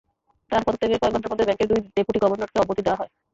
তাঁর পদত্যাগের কয়েক ঘণ্টার মধ্যে ব্যাংকের দুই ডেপুটি গভর্নরকে অব্যাহতি দেওয়া হয়।